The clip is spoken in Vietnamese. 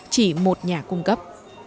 chỉ một nhà cung cấp